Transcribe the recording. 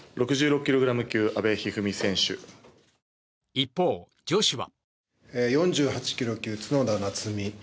一方、女子は。